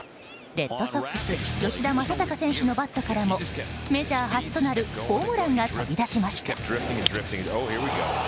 レッドソックス吉田正尚選手のバットからもメジャー初となるホームランが飛び出しました。